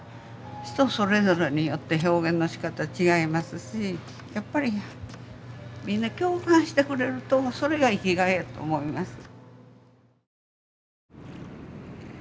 人それぞれによって表現のしかたは違いますしやっぱりみんな共感してくれるとそれが生きがいやと思います。